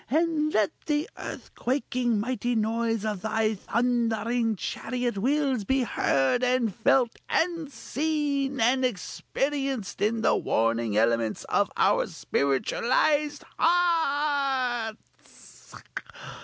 _ and let the earthquaking mighty noise of thy thundering chariot wheels be heard, and felt, and seen, and experienced in the warring elements of our spiritualized hearts!"